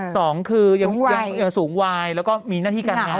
สองคือยังสูงวายแล้วก็มีหน้าที่การงาน